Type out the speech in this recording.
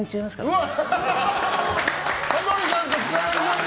うわ！